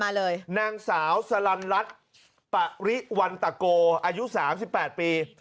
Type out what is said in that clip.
มาเลยนางสาวสลันรัฐปริวันตะโกอายุ๓๘ปี